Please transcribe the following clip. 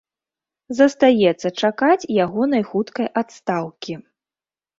Застаецца чакаць ягонай хуткай адстаўкі.